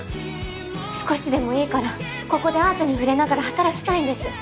少しでもいいからここでアートに触れながら働きたいんです